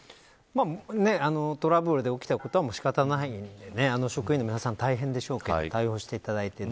トラブルで起きたことは仕方がないので職員の皆さん大変でしょうけど対応していただいて。